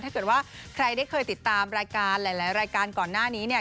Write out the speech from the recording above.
ถ้าเกิดว่าใครได้เคยติดตามรายการหลายรายการก่อนหน้านี้เนี่ย